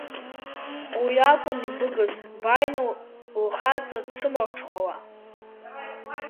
Уи акәын ибыгыз, бааины лхаҵа дсымарҽхәала…